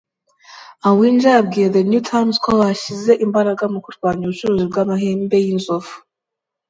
Awinja yabwiye The New Times ko bashyize imbaraga mu kurwanya ubucuruzi bw’amahembe y’inzovu